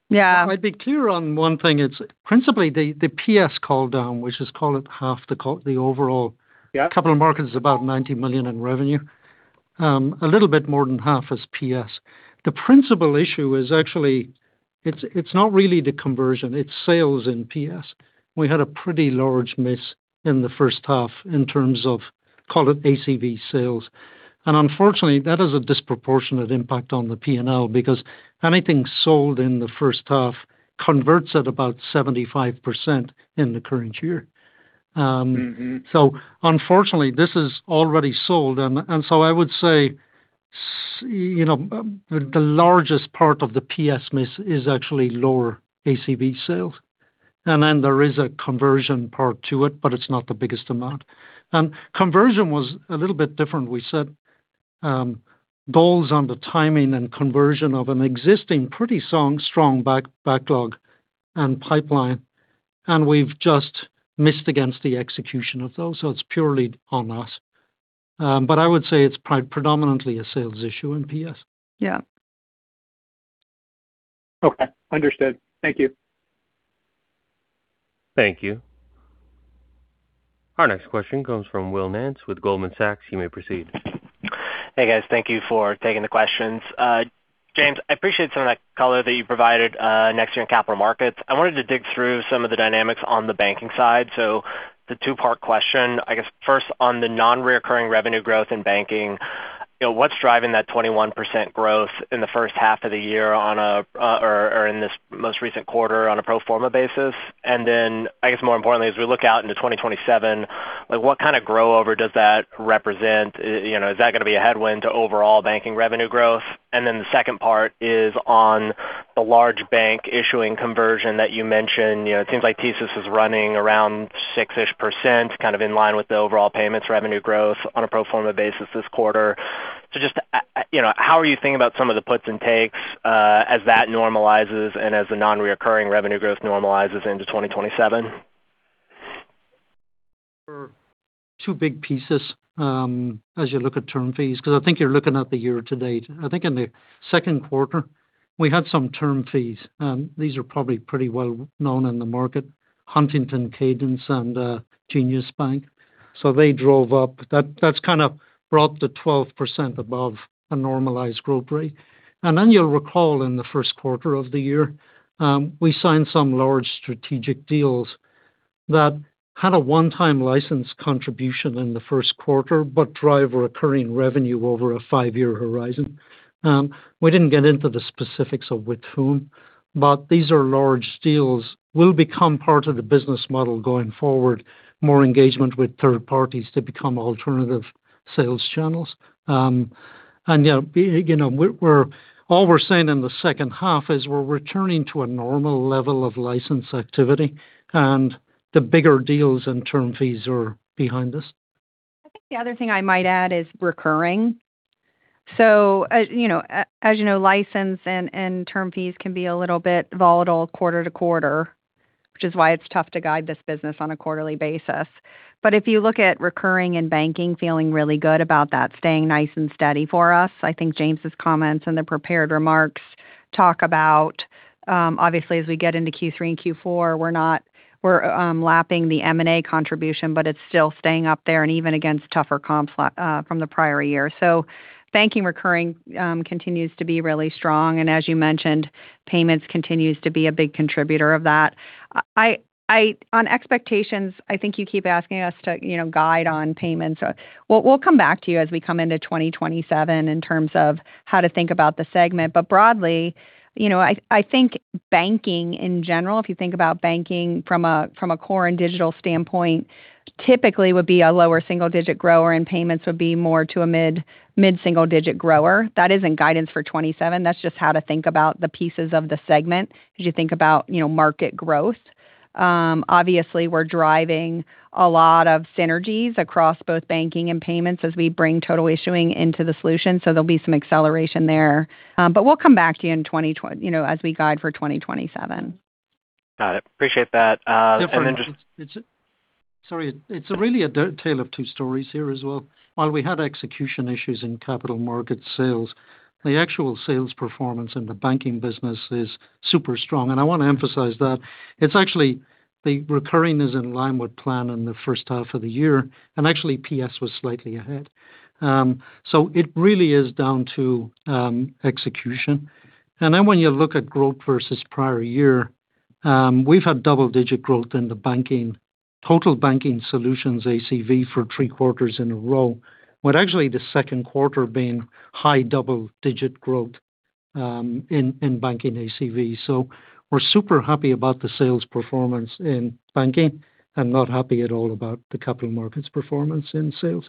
Yeah. I'd be clear on one thing, it's principally the PS call down, which is call it half the overall- Yeah. Capital Markets is about $90 million in revenue. A little bit more than half is PS. The principal issue is actually it's not really the conversion, it's sales in PS. We had a pretty large miss in the first half in terms of, call it ACV sales. Unfortunately, that has a disproportionate impact on the P&L because anything sold in the first half converts at about 75% in the current year. Unfortunately, this is already sold, I would say the largest part of the PS miss is actually lower ACV sales. Then there is a conversion part to it, but it's not the biggest amount. Conversion was a little bit different. We set goals on the timing and conversion of an existing pretty strong backlog and pipeline, and we've just missed against the execution of those, so it's purely on us. I would say it's predominantly a sales issue in PS. Yeah. Okay. Understood. Thank you. Thank you. Our next question comes from Will Nance with Goldman Sachs. You may proceed. Hey, guys. Thank you for taking the questions. James, I appreciate some of that color that you provided next year in Capital Markets. The two-part question, I guess first on the non-reoccurring revenue growth in banking, what's driving that 21% growth in the first half of the year or in this most recent quarter on a pro forma basis? I guess more importantly, as we look out into 2027, what kind of grow over does that represent? Is that going to be a headwind to overall banking revenue growth? The second part is on the large bank issuing conversion that you mentioned. It seems like TSYS is running around 6%-ish, kind of in line with the overall payments revenue growth on a pro forma basis this quarter. Just how are you thinking about some of the puts and takes as that normalizes and as the non-reoccurring revenue growth normalizes into 2027? There are two big pieces as you look at term fees because I think you're looking at the year-to-date. I think in the second quarter we had some term fees. These are probably pretty well known in the market, Huntington, Cadence, and the Jenius Bank. They drove up. That's kind of brought the 12% above a normalized growth rate. Then you'll recall in the first quarter of the year, we signed some large strategic deals that had a one-time license contribution in the first quarter but drive recurring revenue over a five-year horizon. We didn't get into the specifics of with whom, these are large deals will become part of the business model going forward, more engagement with third parties to become alternative sales channels. All we're saying in the second half is we're returning to a normal level of license activity and the bigger deals and term fees are behind us. I think the other thing I might add is recurring. As you know, license and term fees can be a little bit volatile quarter-to-quarter, which is why it's tough to guide this business on a quarterly basis. If you look at recurring and Banking Solutions, feeling really good about that, staying nice and steady for us. I think James Kehoe's comments in the prepared remarks talk about obviously as we get into Q3 and Q4, we're lapping the M&A contribution, it's still staying up there and even against tougher comps from the prior year. Banking Solutions recurring continues to be really strong, and as you mentioned, payments continues to be a big contributor of that. On expectations, I think you keep asking us to guide on payments. We'll come back to you as we come into 2027 in terms of how to think about the segment. Broadly, I think Banking Solutions in general, if you think about Banking Solutions from a core and digital standpoint, typically would be a lower single-digit grower and payments would be more to a mid-single-digit grower. That is in guidance for 2027. That's just how to think about the pieces of the segment as you think about market growth. Obviously, we're driving a lot of synergies across both banking and payments as we bring Total Issuing into the solution. There'll be some acceleration there. We'll come back to you as we guide for 2027. Got it. Appreciate that. Sorry, it's really a tale of two stories here as well. While we had execution issues in Capital Markets sales, the actual sales performance in the banking business is super strong, and I want to emphasize that. It's actually the recurring is in line with plan in the first half of the year, and actually PS was slightly ahead. It really is down to execution. When you look at growth versus prior year, we've had double-digit growth in the total Banking Solutions ACV for three quarters in a row, with actually the 2nd quarter being high double-digit growth in Banking ACV. We're super happy about the sales performance in banking and not happy at all about the Capital Markets performance in sales.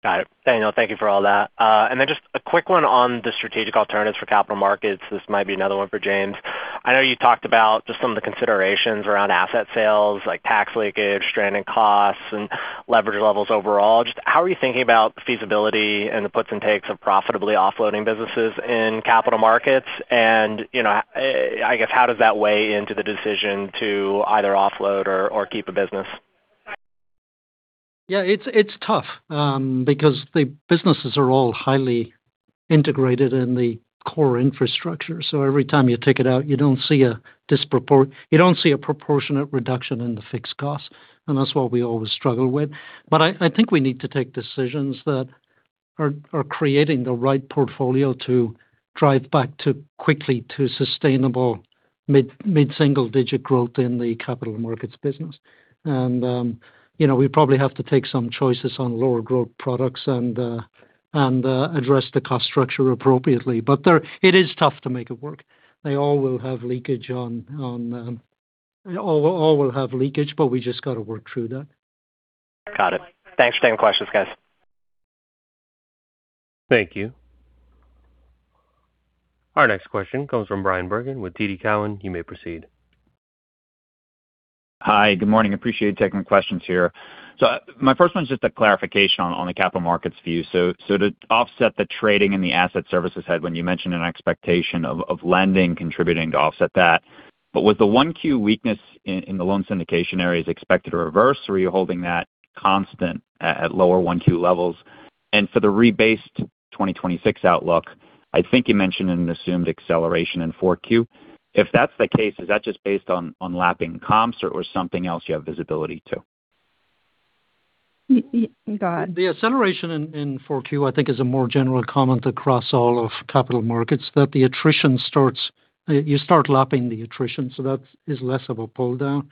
Got it. James, thank you for all that. Just a quick one on the strategic alternatives for Capital Markets. This might be another one for James. I know you talked about just some of the considerations around asset sales like tax leakage, stranded costs, and leverage levels overall. Just how are you thinking about the feasibility and the puts and takes of profitably offloading businesses in Capital Markets? I guess how does that weigh into the decision to either offload or keep a business? Yeah, it's tough because the businesses are all highly integrated in the core infrastructure. Every time you take it out, you don't see a proportionate reduction in the fixed cost, and that's what we always struggle with. I think we need to take decisions that are creating the right portfolio to drive back quickly to sustainable mid-single-digit growth in the Capital Markets business. We probably have to take some choices on lower growth products and address the cost structure appropriately. It is tough to make it work. They all will have leakage, but we just got to work through that. Got it. Thanks for taking the questions, guys. Thank you. Our next question comes from Bryan Bergin with TD Cowen. You may proceed. Hi. Good morning. Appreciate you taking the questions here. My first one's just a clarification on the Capital Markets view. To offset the trading in the asset services headwind, you mentioned an expectation of lending contributing to offset that. With the 1Q weakness in the loan syndication areas expected to reverse, or are you holding that constant at lower 1Q levels? For the rebased 2026 outlook, I think you mentioned an assumed acceleration in 4Q. If that's the case, is that just based on lapping comps or something else you have visibility to? You go ahead. The acceleration in 4Q, I think is a more general comment across all of Capital Markets, that you start lapping the attrition, so that is less of a pull-down,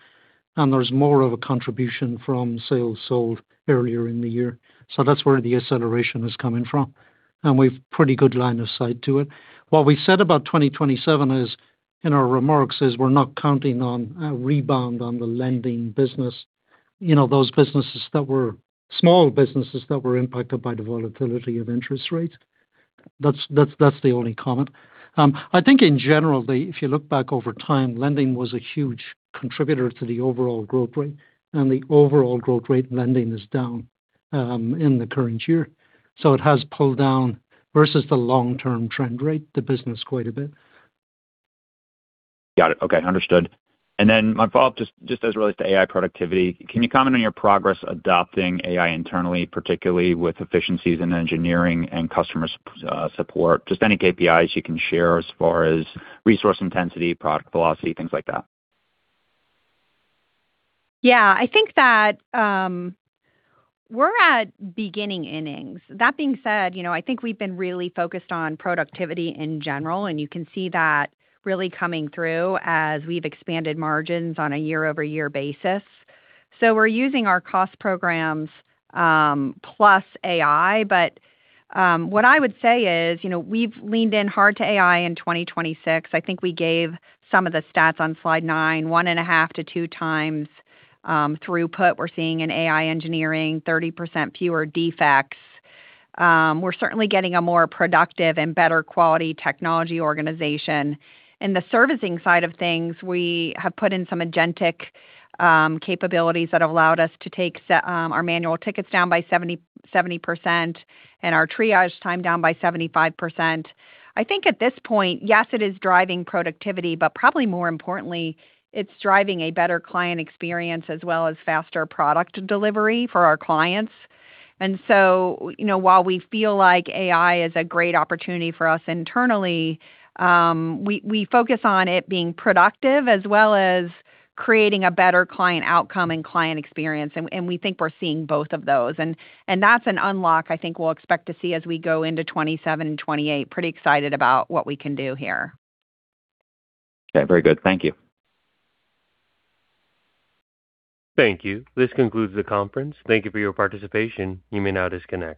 and there's more of a contribution from sales sold earlier in the year. That's where the acceleration is coming from, and we've pretty good line of sight to it. What we said about 2027 is, in our remarks, is we're not counting on a rebound on the lending business. Those businesses that were small businesses that were impacted by the volatility of interest rates. That's the only comment. I think in general, if you look back over time, lending was a huge contributor to the overall growth rate, and the overall growth rate in lending is down in the current year. It has pulled down versus the long-term trend rate, the business quite a bit. Got it. Okay, understood. My follow-up, just as it relates to AI productivity, can you comment on your progress adopting AI internally, particularly with efficiencies in engineering and customer support? Just any KPIs you can share as far as resource intensity, product velocity, things like that. Yeah. We're at beginning innings. That being said, we've been really focused on productivity in general, and you can see that really coming through as we've expanded margins on a year-over-year basis. We're using our cost programs, plus AI. What I would say is, we've leaned in hard to AI in 2026. We gave some of the stats on slide nine, one and a half to two times throughput. We're seeing in AI engineering 30% fewer defects. We're certainly getting a more productive and better quality technology organization. In the servicing side of things, we have put in some agentic capabilities that have allowed us to take our manual tickets down by 70% and our triage time down by 75%. I think at this point, yes, it is driving productivity, but probably more importantly, it's driving a better client experience as well as faster product delivery for our clients. While we feel like AI is a great opportunity for us internally, we focus on it being productive as well as creating a better client outcome and client experience, and we think we're seeing both of those. That's an unlock I think we'll expect to see as we go into 27 and 28. Pretty excited about what we can do here. Okay. Very good. Thank you. Thank you. This concludes the conference. Thank you for your participation. You may now disconnect.